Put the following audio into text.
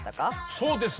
そうですね。